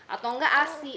atau enggak asih